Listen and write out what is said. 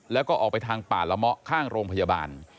แล้วก็ออกไปทางป่าละเมาะข้างโรงพยาบาล